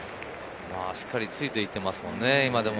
しっかりついて行ってますもんね。